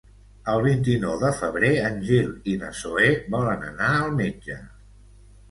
El vint-i-nou de febrer en Gil i na Zoè volen anar al metge.